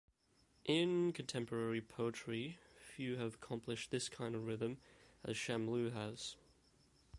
In contemporary poetry, few have accomplished this kind of rhythm as Shamlou has.